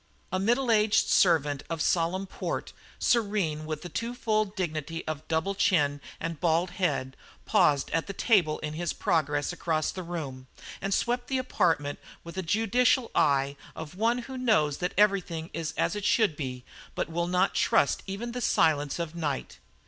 A middle aged servant of solemn port, serene with the twofold dignity of double chin and bald head, paused at the table in his progress across the room, and swept the apartment with the judicial eye of one who knows that everything is as it should be but will not trust even the silence of night.